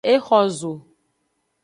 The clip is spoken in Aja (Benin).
E xo zo.